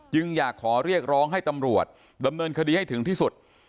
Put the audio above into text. อยากขอเรียกร้องให้ตำรวจดำเนินคดีให้ถึงที่สุด